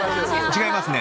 違いますね。